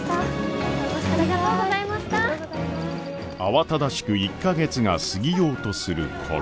慌ただしく１か月が過ぎようとする頃。